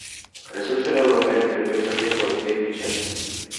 Resursele europene trebuie să fie folosite eficient.